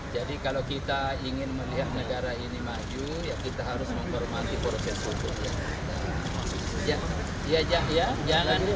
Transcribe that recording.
jadi kalau kita ingin melihat negara ini maju ya kita harus menghormati proses hukum yang ada